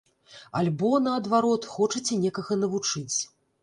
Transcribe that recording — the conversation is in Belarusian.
Альбо, наадварот, хочаце некага навучыць.